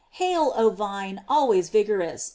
Hail, oh vine, always vigorous!